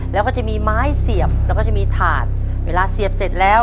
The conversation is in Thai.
แล้วก็จะมีไม้เสียบแล้วก็จะมีถาดเวลาเสียบเสร็จแล้ว